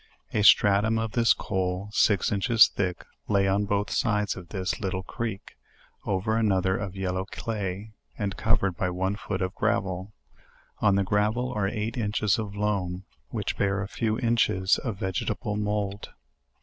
A stratum of this coal, six inches thick, lay on both sides of this little creek, over another of yellow clay, and covered by one foot of gravel; on the gravel are eight inches of loam, which bear a few inches of vegetable mold.